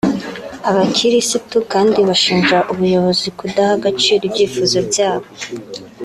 Abakirisitu kandi bashinja ubuyobozi kudaha agaciro ibyifuzo byabo